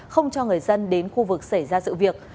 không cho người dân đến khu vực xảy ra sự việc